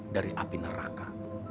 dari api neraka